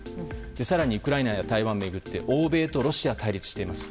更にウクライナや台湾を巡って欧米とロシアも対立しています。